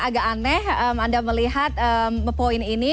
agak aneh anda melihat poin ini